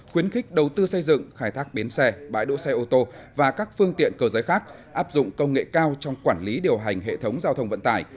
khuyến khích đầu tư xây dựng khai thác bến xe bãi đỗ xe ô tô và các phương tiện cơ giới khác áp dụng công nghệ cao trong quản lý điều hành hệ thống giao thông vận tải